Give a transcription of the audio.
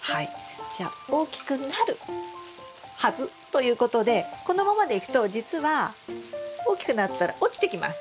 じゃあ大きくなるはずということでこのままでいくとじつは大きくなったら落ちてきます。